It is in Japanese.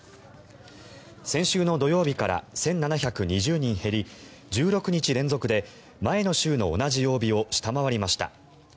先週の土曜日から１７２０人減り１６日連続で前の週の同じ曜日を下回りました。